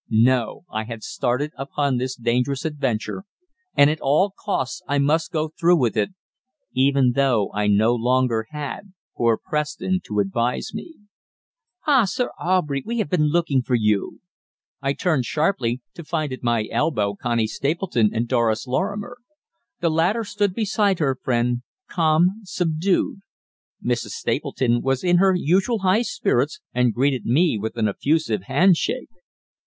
No, I had started upon this dangerous adventure, and at all costs I must go through with it, even though I no longer had poor Preston to advise me. "Ah, Sir Aubrey, we have been looking for you." I turned sharply, to find at my elbow Connie Stapleton and Doris Lorrimer. The latter stood beside her friend, calm, subdued; Mrs. Stapleton was in her usual high spirits, and greeted me with an effusive hand shake.